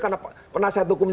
karena penasihat hukum